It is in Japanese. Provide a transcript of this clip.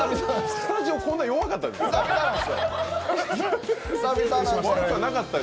スタジオこんな弱かった？